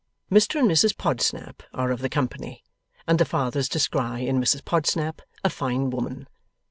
Mr and Mrs Podsnap are of the company, and the Fathers descry in Mrs Podsnap a fine woman.